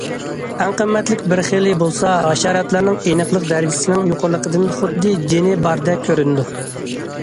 ئەڭ قىممەتلىك بىر خىلى بولسا ھاشاراتلارنىڭ ئېنىقلىق دەرىجىسىنىڭ يۇقىرىلىقىدىن خۇددى جېنى باردەك كۆرۈنىدۇ.